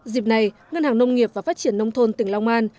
dịp này ngân hàng nông nghiệp và phát triển nông thôn tỉnh long an